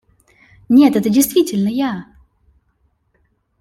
Нет, это действительно я.